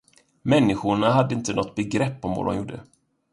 Människorna hade inte något begrepp om vad de gjorde.